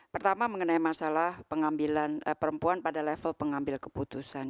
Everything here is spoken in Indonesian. pertama mengenai masalah pengambilan perempuan pada level pengambil keputusan